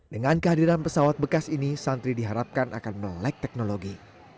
dengan kehadiran pesawat bekas ini santri diharapkan akan melek teknologi